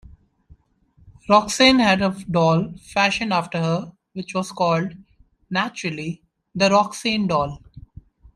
Roxanne had a doll fashioned after her which was called, naturally, "The Roxanne Doll".